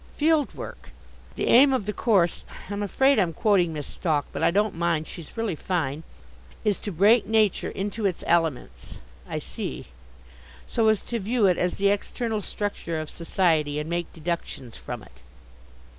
"Field Work. The aim of the course I'm afraid I'm quoting Miss Stalk but I don't mind, she's really fine is to break nature into its elements " "I see " "So as to view it as the external structure of Society and make deductions from it."